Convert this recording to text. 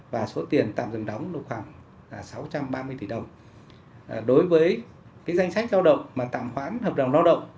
và số tiền tạm dừng đóng khoảng sáu trăm ba mươi tỷ đồng đối với danh sách lao động mà tạm khoản hợp đồng lao động